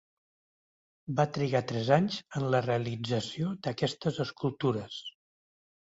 Va trigar tres anys en la realització d'aquestes escultures.